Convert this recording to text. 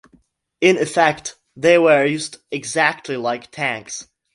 In effect, they were used exactly like tanks.